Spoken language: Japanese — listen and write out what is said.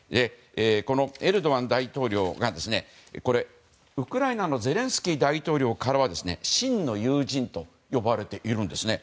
このエルドアン大統領がウクライナのゼレンスキー大統領からは真の友人と呼ばれているんですね。